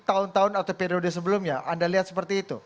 tahun tahun atau periode sebelumnya anda lihat seperti itu